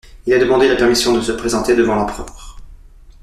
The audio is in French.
Il a demandé la permission de se présenter devant l'empereur.